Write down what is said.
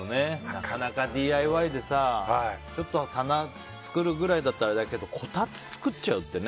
なかなかＤＩＹでさちょっと棚作るくらいだったらあれだけどこたつ作るってね。